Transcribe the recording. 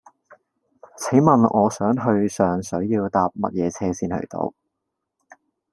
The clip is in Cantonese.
請問我想去上水要搭乜嘢車先去到